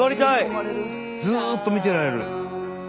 ずっと見てられる。